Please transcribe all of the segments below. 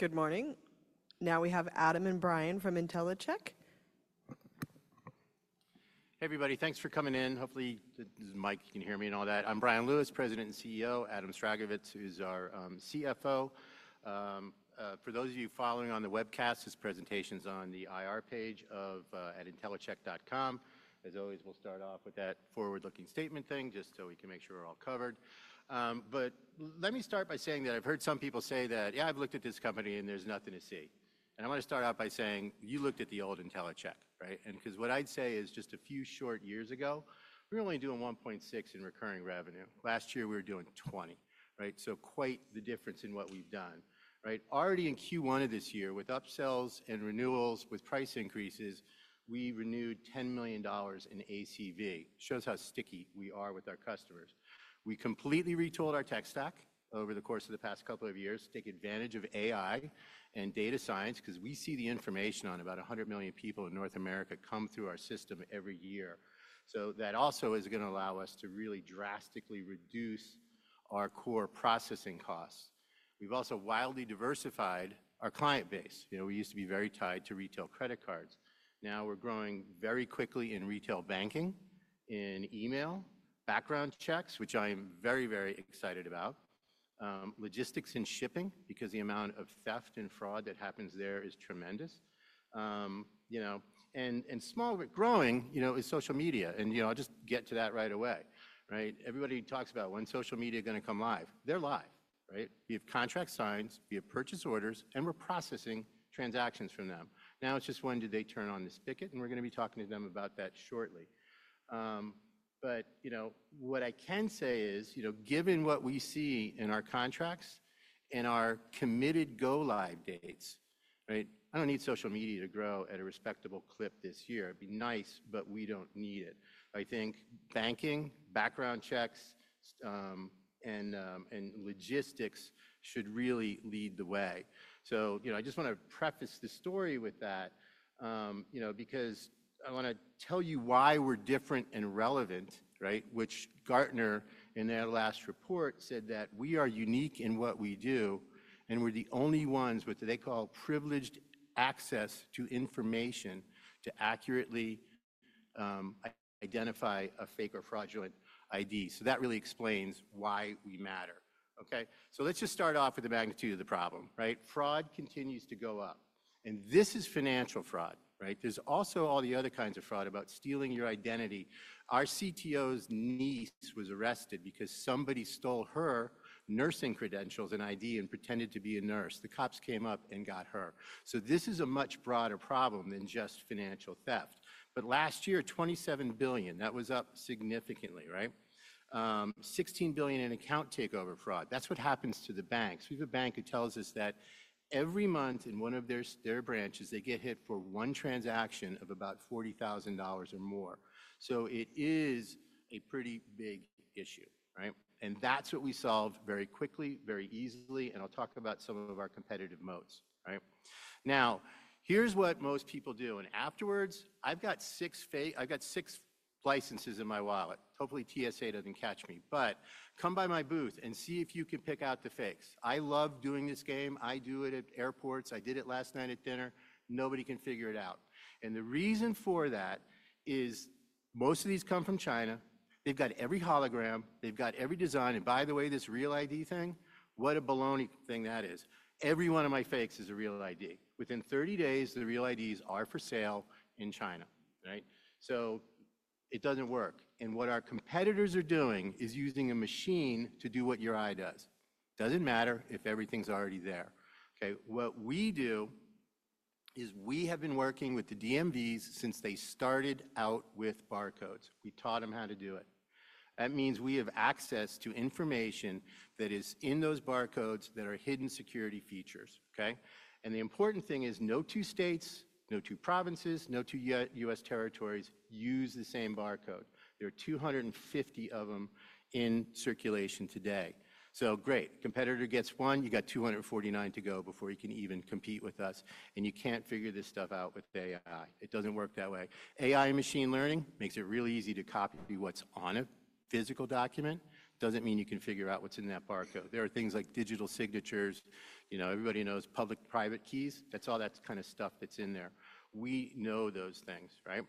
Good morning. Now we have Adam and Brian from Intellicheck. Hey, everybody. Thanks for coming in. Hopefully, this is Mike. You can hear me and all that. I'm Brian Lewis, President and CEO. Adam Sragovicz, who's our CFO. For those of you following on the webcast, his presentation's on the IR page at intellicheck.com. As always, we'll start off with that forward-looking statement thing, just so we can make sure we're all covered. Let me start by saying that I've heard some people say that, yeah, I've looked at this company, and there's nothing to see. I want to start out by saying, you looked at the old Intellicheck, right? What I'd say is, just a few short years ago, we were only doing $1.6 million in recurring revenue. Last year, we were doing $20 million, right? Quite the difference in what we've done, right? Already in Q1 of this year, with upsells and renewals, with price increases, we renewed $10 million in ACV. Shows how sticky we are with our customers. We completely retooled our tech stack over the course of the past couple of years, take advantage of AI and data science, because we see the information on about 100 million people in North America come through our system every year. That also is going to allow us to really drastically reduce our core processing costs. We've also wildly diversified our client base. We used to be very tied to retail credit cards. Now we're growing very quickly in retail banking, in email background checks, which I am very, very excited about, logistics and shipping, because the amount of theft and fraud that happens there is tremendous. Small but growing is social media. I'll just get to that right away, right? Everybody talks about, when is social media going to come live? They're live, right? We have contract signs, we have purchase orders, and we're processing transactions from them. Now it's just, when did they turn on this ticket? We're going to be talking to them about that shortly. What I can say is, given what we see in our contracts and our committed go-live dates, I don't need social media to grow at a respectable clip this year. It'd be nice, but we don't need it. I think banking, background checks, and logistics should really lead the way. I just want to preface the story with that, because I want to tell you why we're different and relevant, right? Which Gartner, in their last report, said that we are unique in what we do, and we're the only ones with what they call privileged access to information to accurately identify a fake or fraudulent ID. That really explains why we matter, OK? Let's just start off with the magnitude of the problem, right? Fraud continues to go up. This is financial fraud, right? There's also all the other kinds of fraud about stealing your identity. Our CTO's niece was arrested because somebody stole her nursing credentials and ID and pretended to be a nurse. The cops came up and got her. This is a much broader problem than just financial theft. Last year, $27 billion, that was up significantly, right? $16 billion in account takeover fraud. That's what happens to the banks. We have a bank who tells us that every month, in one of their branches, they get hit for one transaction of about $40,000 or more. It is a pretty big issue, right? That is what we solved very quickly, very easily. I will talk about some of our competitive moats, right? Here is what most people do. Afterwards, I have got six licenses in my wallet. Hopefully, TSA does not catch me. Come by my booth and see if you can pick out the fakes. I love doing this game. I do it at airports. I did it last night at dinner. Nobody can figure it out. The reason for that is, most of these come from China. They have got every hologram. They have got every design. By the way, this real ID thing, what a baloney thing that is. Every one of my fakes is a real ID. Within 30 days, the real IDs are for sale in China, right? It does not work. What our competitors are doing is using a machine to do what your eye does. It does not matter if everything is already there, OK? What we do is we have been working with the DMVs since they started out with barcodes. We taught them how to do it. That means we have access to information that is in those barcodes that are hidden security features, OK? The important thing is, no two states, no two provinces, no two U.S. territories use the same barcode. There are 250 of them in circulation today. Competitor gets one. You have 249 to go before you can even compete with us. You cannot figure this stuff out with AI. It does not work that way. AI and machine learning makes it really easy to copy what's on a physical document. Doesn't mean you can figure out what's in that barcode. There are things like digital signatures. Everybody knows public-private keys. That's all that kind of stuff that's in there. We know those things, right?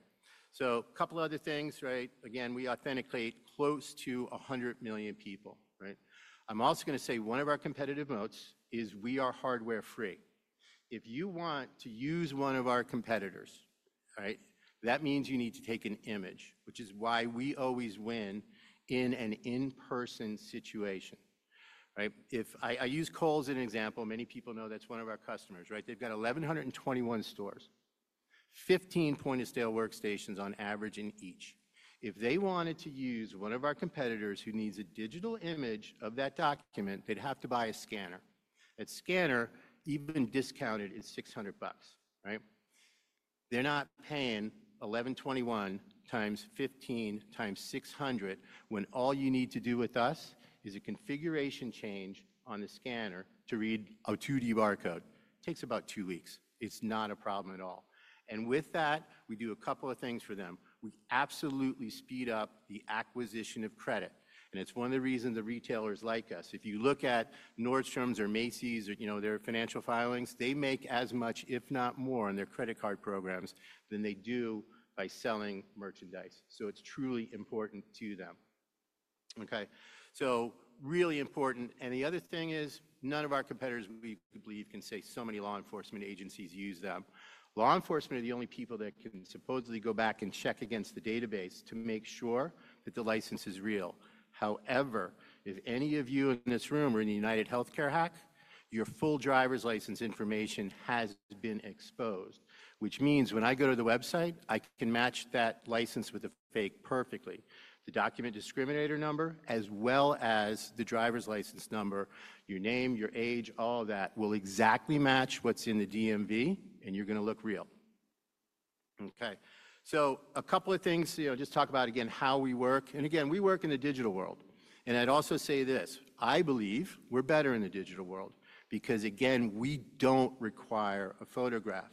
A couple of other things, right? We authenticate close to 100 million people, right? I'm also going to say one of our competitive moats is we are hardware-free. If you want to use one of our competitors, right, that means you need to take an image, which is why we always win in an in-person situation, right? I use Kohl's as an example. Many people know that's one of our customers, right? They've got 1,121 stores, 15 point-of-sale workstations on average in each. If they wanted to use one of our competitors who needs a digital image of that document, they'd have to buy a scanner. That scanner even discounted is $600, right? They're not paying 1,121 times 15 times $600 when all you need to do with us is a configuration change on the scanner to read a 2D barcode. Takes about two weeks. It's not a problem at all. With that, we do a couple of things for them. We absolutely speed up the acquisition of credit. It's one of the reasons that retailers like us. If you look at Nordstrom or Macy's, their financial filings, they make as much, if not more, in their credit card programs than they do by selling merchandise. It is truly important to them, OK? Really important. The other thing is, none of our competitors, we believe, can say so many law enforcement agencies use them. Law enforcement are the only people that can supposedly go back and check against the database to make sure that the license is real. However, if any of you in this room are in the UnitedHealthCare hack, your full driver's license information has been exposed, which means when I go to the website, I can match that license with a fake perfectly. The document discriminator number, as well as the driver's license number, your name, your age, all of that will exactly match what's in the DMV, and you're going to look real, OK? A couple of things, just talk about, again, how we work. Again, we work in the digital world. I'd also say this. I believe we're better in the digital world because, again, we don't require a photograph.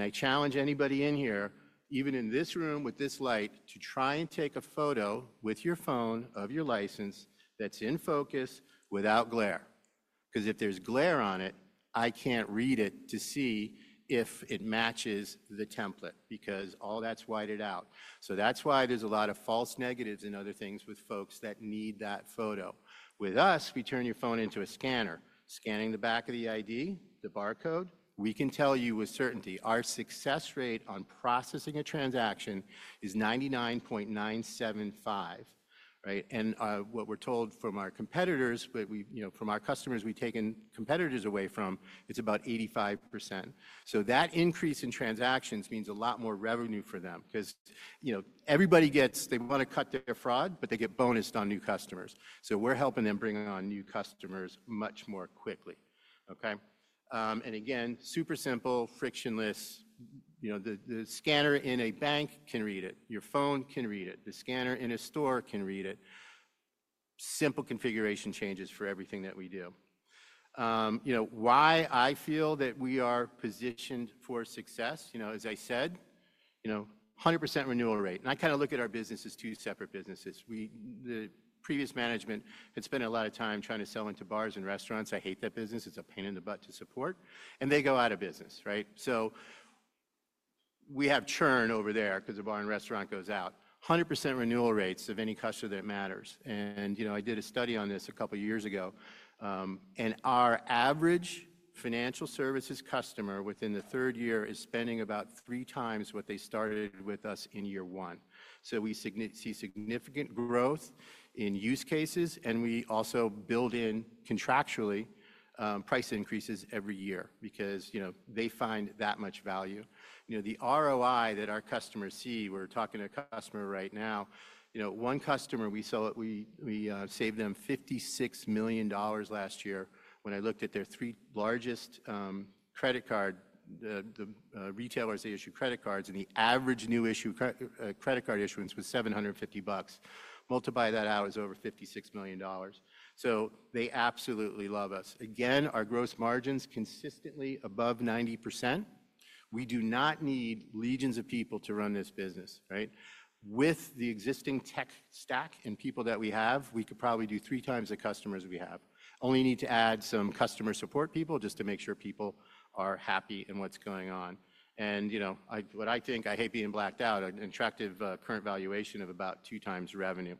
I challenge anybody in here, even in this room with this light, to try and take a photo with your phone of your license that's in focus without glare, because if there's glare on it, I can't read it to see if it matches the template because all that's whited out. That's why there's a lot of false negatives and other things with folks that need that photo. With us, we turn your phone into a scanner, scanning the back of the ID, the barcode. We can tell you with certainty our success rate on processing a transaction is 99.975%, right? What we're told from our competitors, from our customers we've taken competitors away from, it's about 85%. That increase in transactions means a lot more revenue for them because everybody gets they want to cut their fraud, but they get bonused on new customers. We're helping them bring on new customers much more quickly, OK? Again, super simple, frictionless. The scanner in a bank can read it. Your phone can read it. The scanner in a store can read it. Simple configuration changes for everything that we do. Why I feel that we are positioned for success, as I said, 100% renewal rate. I kind of look at our business as two separate businesses. The previous management had spent a lot of time trying to sell into bars and restaurants. I hate that business. It's a pain in the butt to support. They go out of business, right? We have churn over there because the bar and restaurant goes out. 100% renewal rates of any customer that matters. I did a study on this a couple of years ago. Our average financial services customer within the third year is spending about three times what they started with us in year one. We see significant growth in use cases. We also build in, contractually, price increases every year because they find that much value. The ROI that our customers see, we're talking to a customer right now, one customer, we saved them $56 million last year when I looked at their three largest credit cards. The retailers they issue credit cards, and the average new credit card issuance was $750. Multiply that out, it was over $56 million. They absolutely love us. Again, our gross margins consistently above 90%. We do not need legions of people to run this business, right? With the existing tech stack and people that we have, we could probably do three times the customers we have. Only need to add some customer support people just to make sure people are happy in what's going on. What I think, I hate being blacked out, an attractive current valuation of about two times revenue.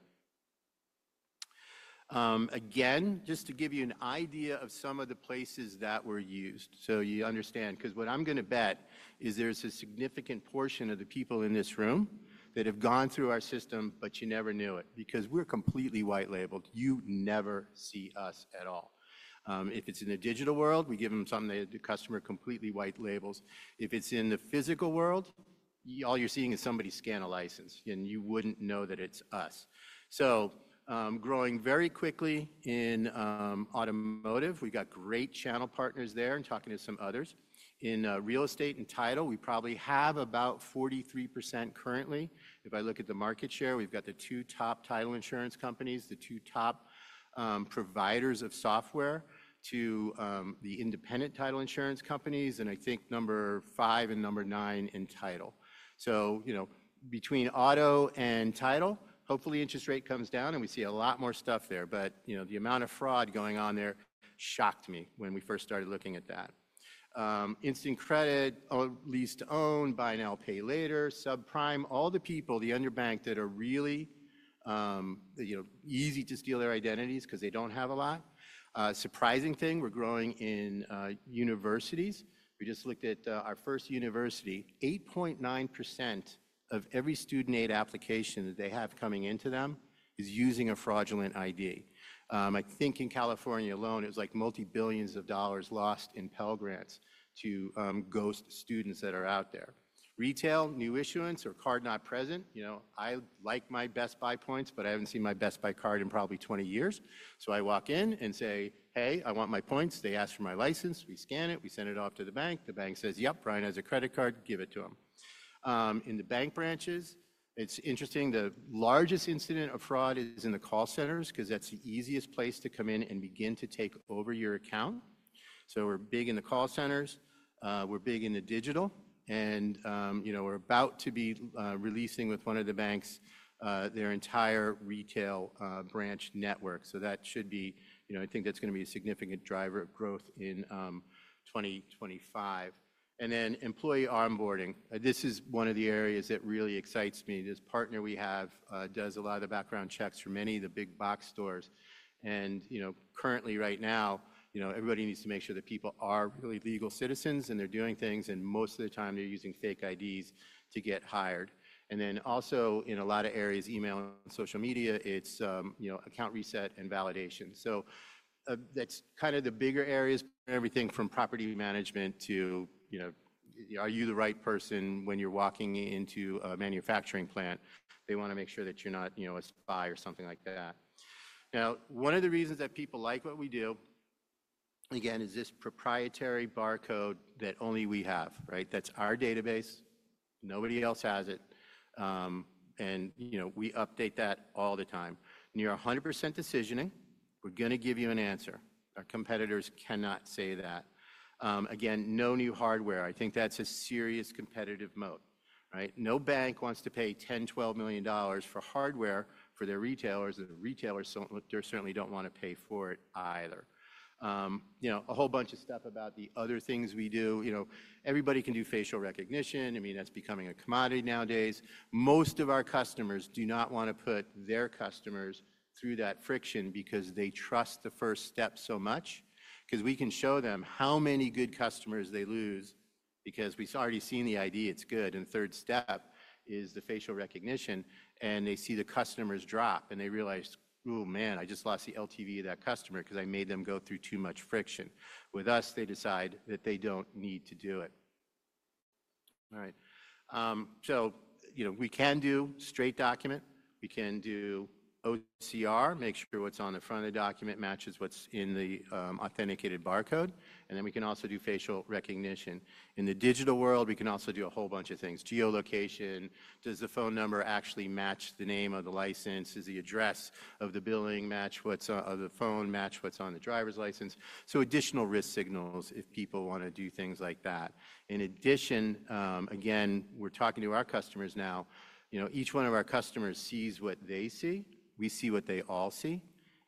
Again, just to give you an idea of some of the places that we're used, so you understand, because what I'm going to bet is there's a significant portion of the people in this room that have gone through our system, but you never knew it, because we're completely white-labeled. You never see us at all. If it's in the digital world, we give them something that the customer completely white-labels. If it's in the physical world, all you're seeing is somebody scan a license, and you wouldn't know that it's us. Growing very quickly in automotive, we've got great channel partners there and talking to some others. In real estate and title, we probably have about 43% currently. If I look at the market share, we've got the two top title insurance companies, the two top providers of software to the independent title insurance companies, and I think number five and number nine in title. Between auto and title, hopefully, interest rate comes down, and we see a lot more stuff there. The amount of fraud going on there shocked me when we first started looking at that. Instant credit, lease to own, buy now, pay later, subprime, all the people, the underbanked that are really easy to steal their identities because they don't have a lot. Surprising thing, we're growing in universities. We just looked at our first university. 8.9% of every student aid application that they have coming into them is using a fraudulent ID. I think in California alone, it was like multi-billions of dollars lost in Pell grants to ghost students that are out there. Retail, new issuance or card not present, I like my Best Buy points, but I haven't seen my Best Buy card in probably 20 years. I walk in and say, hey, I want my points. They ask for my license. We scan it. We send it off to the bank. The bank says, yep, Brian has a credit card. Give it to him. In the bank branches, it's interesting. The largest incident of fraud is in the call centers because that's the easiest place to come in and begin to take over your account. We're big in the call centers. We're big in the digital. We're about to be releasing with one of the banks their entire retail branch network. That should be, I think that's going to be a significant driver of growth in 2025. Employee onboarding, this is one of the areas that really excites me. This partner we have does a lot of the background checks for many of the big box stores. Currently, right now, everybody needs to make sure that people are really legal citizens and they're doing things. Most of the time, they're using fake IDs to get hired. Also, in a lot of areas, email and social media, it's account reset and validation. That's kind of the bigger areas, everything from property management to are you the right person when you're walking into a manufacturing plant? They want to make sure that you're not a spy or something like that. Now, one of the reasons that people like what we do, again, is this proprietary barcode that only we have, right? That's our database. Nobody else has it. And we update that all the time. Near 100% decisioning, we're going to give you an answer. Our competitors cannot say that. Again, no new hardware. I think that's a serious competitive moat, right? No bank wants to pay $10-$12 million for hardware for their retailers. The retailers, they certainly don't want to pay for it either. A whole bunch of stuff about the other things we do. Everybody can do facial recognition. I mean, that's becoming a commodity nowadays. Most of our customers do not want to put their customers through that friction because they trust the first step so much because we can show them how many good customers they lose because we've already seen the ID, it's good. The third step is the facial recognition. They see the customers drop, and they realize, oh, man, I just lost the LTV of that customer because I made them go through too much friction. With us, they decide that they do not need to do it. All right. We can do straight document. We can do OCR, make sure what's on the front of the document matches what's in the authenticated barcode. We can also do facial recognition. In the digital world, we can also do a whole bunch of things. Geolocation, does the phone number actually match the name of the license? Does the address of the billing match what's on the phone, match what's on the driver's license? Additional risk signals if people want to do things like that. In addition, again, we're talking to our customers now. Each one of our customers sees what they see. We see what they all see.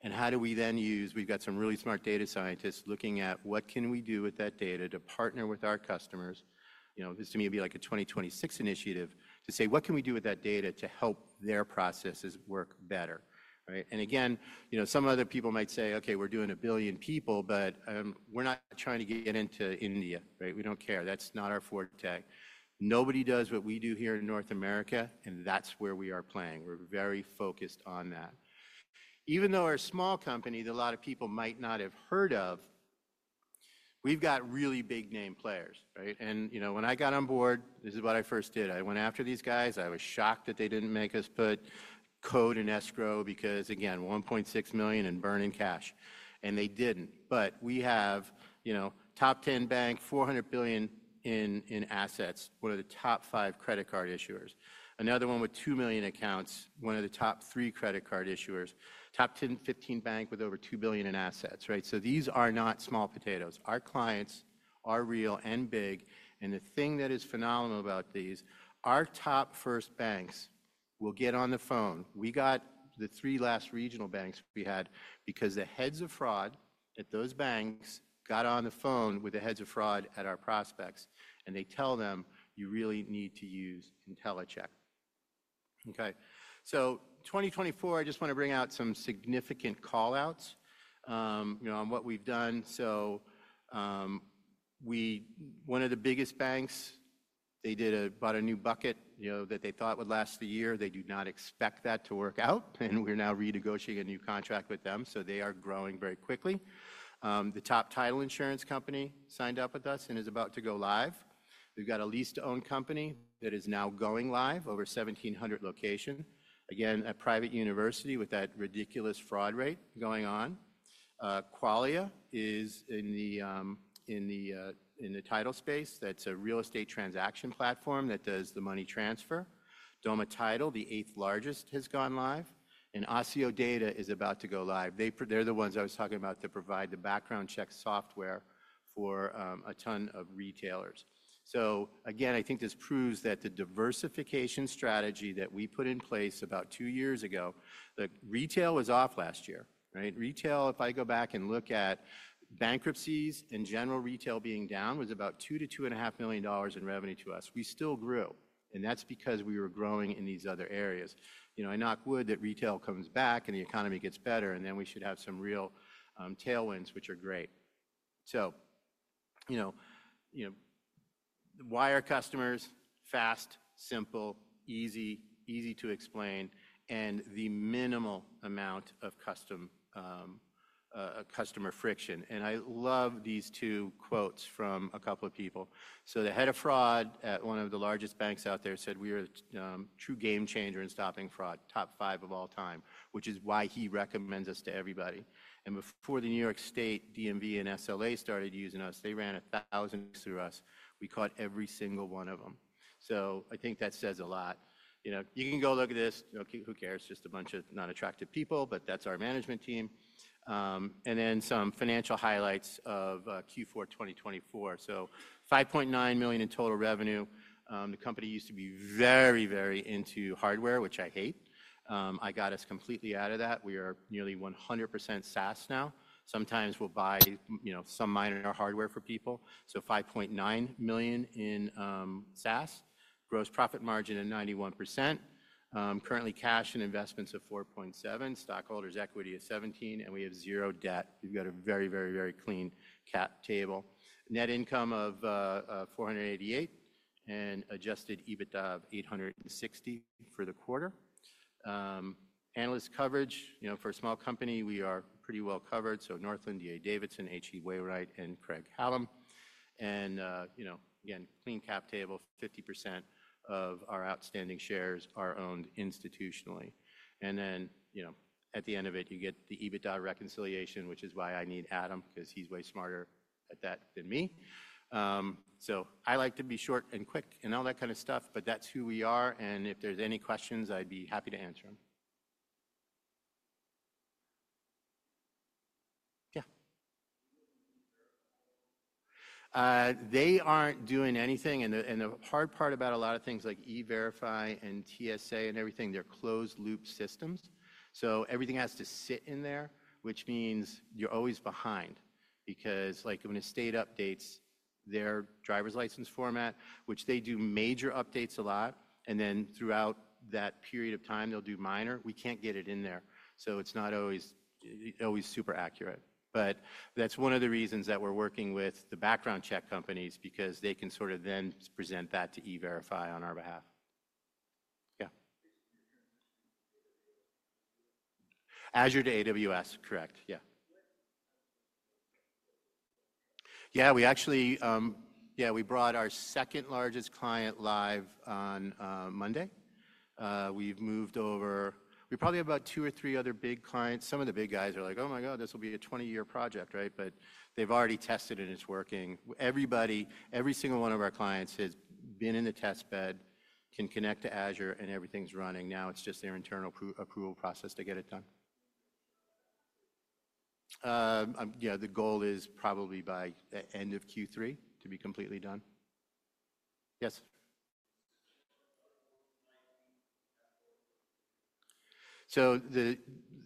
How do we then use we've got some really smart data scientists looking at what can we do with that data to partner with our customers. This to me would be like a 2026 initiative to say, what can we do with that data to help their processes work better, right? Some other people might say, OK, we're doing a billion people, but we're not trying to get into India, right? We don't care. That's not our forte. Nobody does what we do here in North America, and that's where we are playing. We're very focused on that. Even though we're a small company that a lot of people might not have heard of, we've got really big name players, right? When I got on board, this is what I first did. I went after these guys. I was shocked that they didn't make us put code in escrow because, again, $1.6 million in burn in cash. They didn't. We have top 10 bank, $400 billion in assets, one of the top five credit card issuers. Another one with 2 million accounts, one of the top three credit card issuers. Top 10-15 bank with over $2 billion in assets, right? These are not small potatoes. Our clients are real and big. The thing that is phenomenal about these, our top first banks will get on the phone. We got the three last regional banks we had because the heads of fraud at those banks got on the phone with the heads of fraud at our prospects. They tell them, you really need to use Intellicheck, OK? In 2024, I just want to bring out some significant callouts on what we've done. One of the biggest banks bought a new bucket that they thought would last the year. They do not expect that to work out. We are now renegotiating a new contract with them. They are growing very quickly. The top title insurance company signed up with us and is about to go live. We have a lease to own company that is now going live over 1,700 locations. Again, a private university with that ridiculous fraud rate going on. Qualia is in the title space. That's a real estate transaction platform that does the money transfer. Doma Title, the eighth largest, has gone live. Accio Data is about to go live. They're the ones I was talking about to provide the background check software for a ton of retailers. I think this proves that the diversification strategy that we put in place about two years ago, the retail was off last year, right? Retail, if I go back and look at bankruptcies and general retail being down, was about $2-$2.5 million in revenue to us. We still grew. That's because we were growing in these other areas. I knock wood that retail comes back and the economy gets better, and we should have some real tailwinds, which are great. Wire customers, fast, simple, easy, easy to explain, and the minimal amount of customer friction. I love these two quotes from a couple of people. The head of fraud at one of the largest banks out there said, we are a true game changer in stopping fraud, top five of all time, which is why he recommends us to everybody. Before the New York State DMV and SLA started using us, they ran a thousand through us. We caught every single one of them. I think that says a lot. You can go look at this. Who cares? Just a bunch of non-attractive people, but that's our management team. Some financial highlights of Q4 2024: $5.9 million in total revenue. The company used to be very, very into hardware, which I hate. I got us completely out of that. We are nearly 100% SaaS now. Sometimes we'll buy some minor hardware for people. $5.9 million in SaaS. Gross profit margin at 91%. Currently, cash and investments of $4.7 million. Stockholders' equity is $17 million. We have zero debt. We've got a very, very, very clean cap table. Net income of $488,000. And adjusted EBITDA of $860,000 for the quarter. Analyst coverage. For a small company, we are pretty well covered. Northland, D.A. Davidson, H.C. Wainwright, and Craig-Hallum. Again, clean cap table, 50% of our outstanding shares are owned institutionally. At the end of it, you get the EBITDA reconciliation, which is why I need Adam because he's way smarter at that than me. I like to be short and quick and all that kind of stuff, but that's who we are. If there's any questions, I'd be happy to answer them. Yeah. They aren't doing anything. The hard part about a lot of things like eVerify and TSA and everything, they're closed-loop systems. Everything has to sit in there, which means you're always behind because when a state updates their driver's license format, which they do major updates a lot, and then throughout that period of time, they'll do minor, we can't get it in there. It's not always super accurate. That's one of the reasons that we're working with the background check companies because they can sort of then present that to eVerify on our behalf. Yeah. Azure to AWS, correct. Yeah. Yeah, we actually, yeah, we brought our second largest client live on Monday. We've moved over. We probably have about two or three other big clients. Some of the big guys are like, oh my God, this will be a 20-year project, right? They've already tested and it's working. Everybody, every single one of our clients has been in the test bed, can connect to Azure, and everything's running. Now it's just their internal approval process to get it done. Yeah, the goal is probably by the end of Q3 to be completely done. Yes.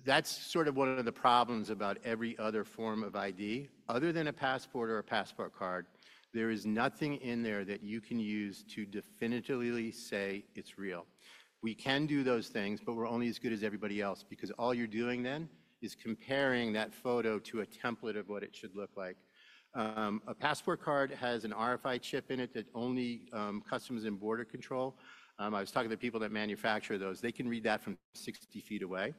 That's sort of one of the problems about every other form of ID. Other than a passport or a passport card, there is nothing in there that you can use to definitively say it's real. We can do those things, but we're only as good as everybody else because all you're doing then is comparing that photo to a template of what it should look like. A passport card has an RFID chip in it that only customs and border control. I was talking to people that manufacture those. They can read that from 60 ft away.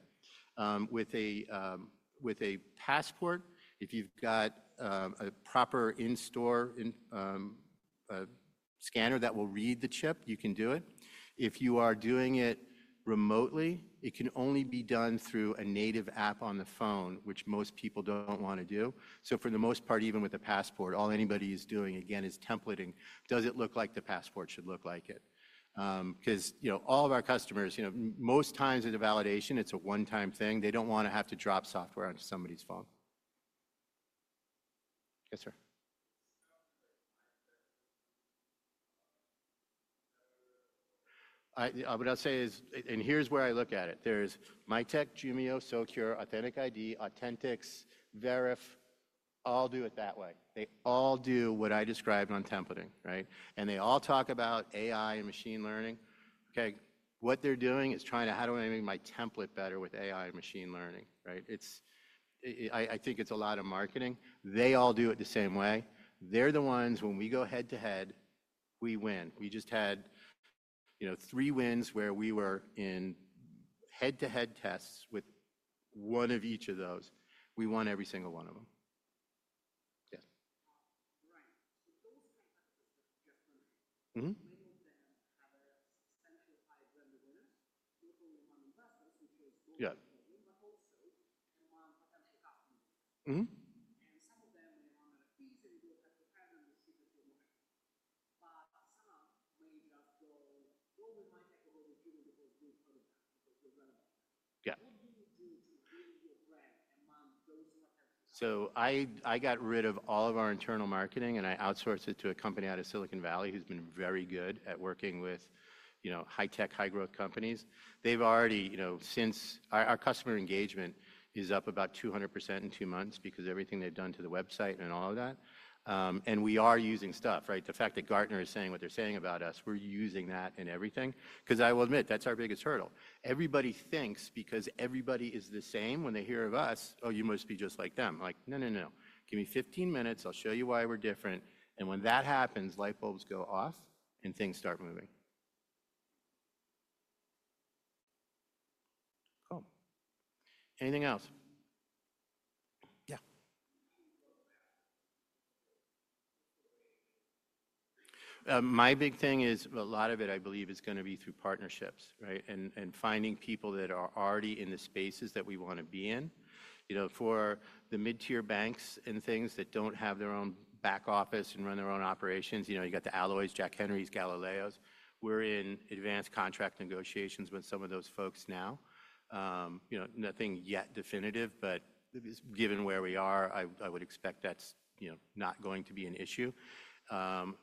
With a passport, if you've got a proper in-store scanner that will read the chip, you can do it. If you are doing it remotely, it can only be done through a native app on the phone, which most people don't want to do. For the most part, even with a passport, all anybody is doing, again, is templating. Does it look like the passport should look like it? Because all of our customers, most times in the validation, it's a one-time thing. They don't want to have to drop software onto somebody's phone. Yes, sir. What I'll say is, and here's where I look at it. There's MyTech, Jumio, Socure, Authentic ID, Authentics, Veriff. All do it that way. They all do what I described on templating, right? They all talk about AI and machine learning. Okay. What they're doing is trying to, how do I make my template better with AI and machine learning, right? I think it's a lot of marketing. They all do it the same way. They're the ones when we go head to head, we win. We just had three wins where we were in head-to-head tests with one of each of those. We won every single one of them. Yeah. [inaudible] Right. Those kinds of systems just to make them have a substantial higher revenue winner, not only one investor, which is growing, but also a more potential customer. Some of them may run out of fees and you will have to hand them the shit that you're working. Some may just go, well, we might have a little bit of driven because we've heard of that because we're relevant. What do you do to build your brand among those potential customers? I got rid of all of our internal marketing, and I outsourced it to a company out of Silicon Valley who's been very good at working with high-tech, high-growth companies. They've already, since our customer engagement is up about 200% in two months because of everything they've done to the website and all of that. We are using stuff, right? The fact that Gartner is saying what they're saying about us, we're using that in everything. I will admit, that's our biggest hurdle. Everybody thinks because everybody is the same when they hear of us, oh, you must be just like them. Like, no, no, no, no. Give me 15 minutes. I'll show you why we're different. When that happens, light bulbs go off and things start moving. Cool. Anything else? Yeah. My big thing is a lot of it, I believe, is going to be through partnerships, right? Finding people that are already in the spaces that we want to be in. For the mid-tier banks and things that do not have their own back office and run their own operations, you have got the Alloy's, Jack Henry's, Galileo's. We are in advanced contract negotiations with some of those folks now. Nothing yet definitive, but given where we are, I would expect that is not going to be an issue.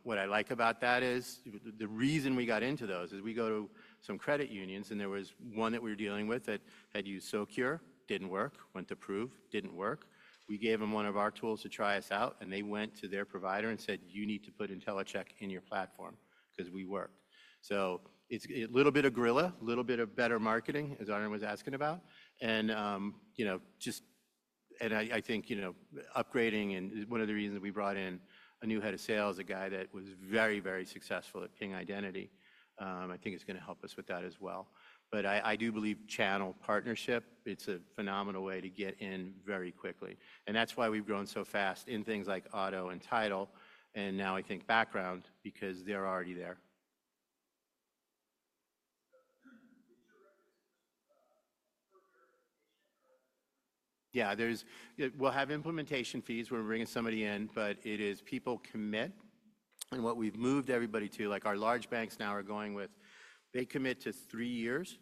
What I like about that is the reason we got into those is we go to some credit unions, and there was one that we were dealing with that had used Socure, did not work, went to prove, did not work. We gave them one of our tools to try us out, and they went to their provider and said, you need to put Intellicheck in your platform because we worked. It is a little bit of gorilla, a little bit of better marketing, as Aaron was asking about. I think upgrading, and one of the reasons we brought in a new head of sales, a guy that was very, very successful at Ping Identity, I think is going to help us with that as well. I do believe channel partnership, it's a phenomenal way to get in very quickly. That is why we've grown so fast in things like auto and title, and now I think background because they're already there. Yeah, we'll have implementation fees when we're bringing somebody in, but it is people commit. What we have moved everybody to, like our large banks now are going with, they commit to three years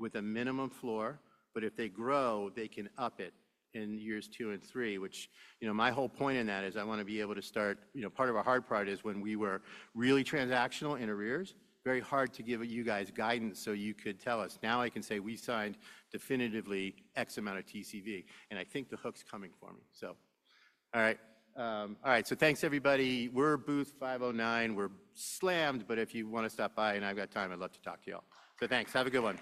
with a minimum floor, but if they grow, they can up it in years two and three, which my whole point in that is I want to be able to start. Part of our hard part is when we were really transactional interviewers, very hard to give you guys guidance so you could tell us. Now I can say we signed definitively X amount of TCV. I think the hook's coming for me. All right. All right. Thanks, everybody. We're booth 509. We're slammed, but if you want to stop by and I have time, I'd love to talk to you all. Thanks. Have a good one.